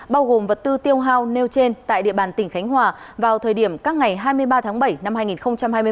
bao gồm vật tư tiêu hao nêu trên tại địa bàn tỉnh khánh hòa vào thời điểm các ngày hai mươi ba tháng bảy năm hai nghìn hai mươi bốn